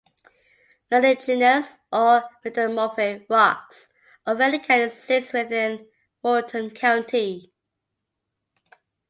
No igneous or metamorphic rocks of any kind exist within Fulton county.